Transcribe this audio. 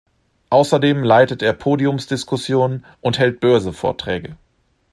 Außerdem leitet er Podiumsdiskussionen und hält Börse-Vorträge.